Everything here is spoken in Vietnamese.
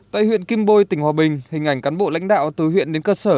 tại huyện kim bôi tỉnh hòa bình hình ảnh cán bộ lãnh đạo từ huyện đến cơ sở